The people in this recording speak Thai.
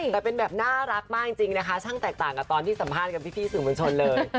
แต่เป็นแบบน่ารักมากจริงนะคะช่างแตกต่างกับตอนที่สัมภาษณ์กับพี่สื่อมวลชนเลย